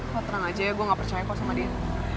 wah tenang aja ya gue gak percaya kok sama dian